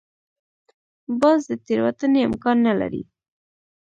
باز د تېروتنې امکان نه لري